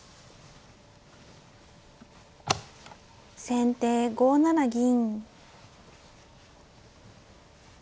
先手５七銀。